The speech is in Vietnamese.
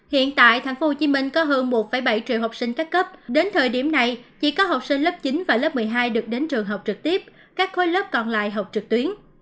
hiện tại tp hcm có hơn một bảy triệu học sinh các cấp đến thời điểm này chỉ có học sinh lớp chín và lớp một mươi hai được đến trường học trực tiếp các khối lớp còn lại học trực tuyến